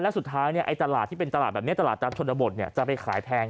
และสุดท้ายตลาดที่เป็นตลาดแบบนี้ตลาดตามชนบทจะไปขายแพง